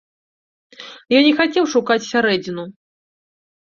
Я не хацеў шукаць сярэдзіну.